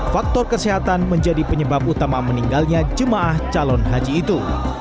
faktor kesehatan menjadi penyebab utama meninggalnya jemaah calon haji itu